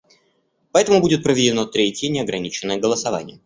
Поэтому будет проведено третье неограниченное голосование.